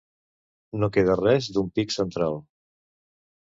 No queda res d'un pic central.